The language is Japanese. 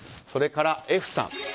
それからＦさん。